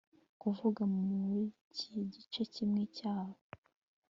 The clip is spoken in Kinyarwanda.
Kuvuga muriki gice kimwe cyaho